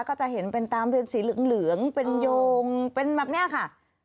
ก็จะเห็นเป็นตามเป็นสีเหลืองเป็นโยงเป็นแบบนี้ค่ะ